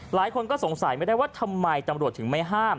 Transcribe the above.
หลายคนก็สงสัยไม่ได้ว่าทำไมตำรวจถึงไม่ห้าม